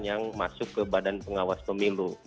yang masuk ke badan pengawas pemilu